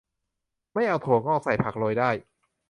ไม่เอาถั่วงอก ใส่ผักโรยได้